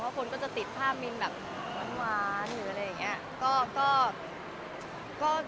คนก็จะติดภาพมินแบบหวานหรืออะไรอย่างนี้